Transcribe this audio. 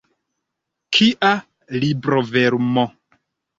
Kia librovermo!